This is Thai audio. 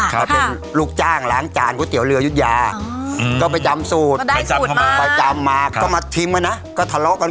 แล้วอย่างขาวว่าสูตรพี่สูตรที่เอามาทำเอามาจากไหน